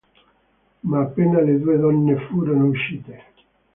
Ma appena le due donne furono uscite.